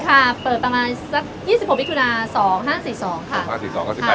ค่ะเปิดประมาณสัก๒๖มิถุนา๒๕๔๒ค่ะ